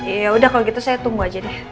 ya udah kalau gitu saya tunggu aja deh